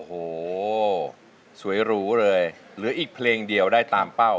โอ้โหสวยหรูเลยเหลืออีกเพลงเดียวได้ตามเป้า